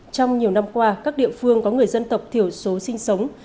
trong nhiều năm qua các địa phương có người dân tộc thiểu số sinh sống